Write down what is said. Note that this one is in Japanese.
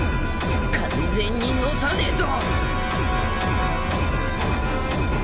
完全にのさねえと！